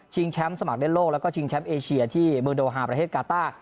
แชมป์สมัครเล่นโลกแล้วก็ชิงแชมป์เอเชียที่มือโดฮาประเทศกาต้า